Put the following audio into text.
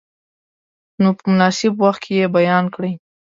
نو په مناسب وخت کې یې بیان کړئ.